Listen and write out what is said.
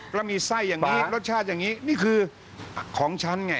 แล้วมีไส้อย่างนี้รสชาติอย่างนี้นี่คือของฉันไง